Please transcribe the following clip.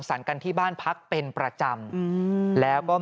ปี๖๕วันเกิดปี๖๔ไปร่วมงานเช่นเดียวกัน